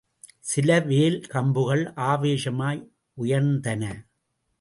சில வேல் கம்புகள் ஆவேசமாய் உயர்ந்தன.